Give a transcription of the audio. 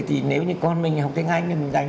thì nếu như con mình học tiếng anh